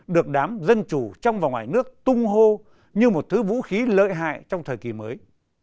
được đám dân chủ trong và ngoài nước tung hô như một thứ vũ khí lợi hại trong thời kỳ mới